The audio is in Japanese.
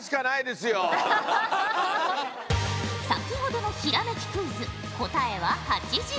先ほどのひらめきクイズ答えは８８。